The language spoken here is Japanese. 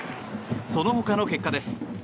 その他の結果です。